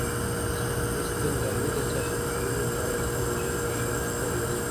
آستين راني د سياستپوهني په اړه خپل دريځ روښانه کړی و.